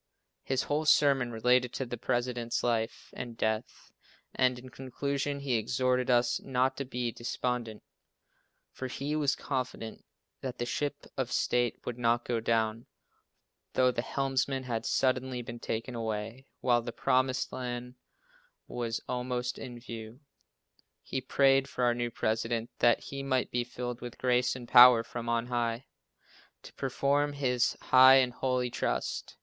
His whole sermon related to the President's life and death, and, in conclusion, he exhorted us not to be despondent, for he was confident that the ship of state would not go down, though the helmsman had suddenly been taken away while the promised land was almost in view. He prayed for our new President, that he might be filled with grace and power from on High, to perform his high and holy trust.